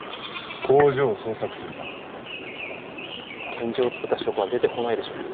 拳銃を作った証拠は出てこないでしょう。